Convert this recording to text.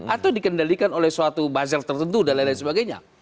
atau dikendalikan oleh suatu buzzer tertentu dan lain lain sebagainya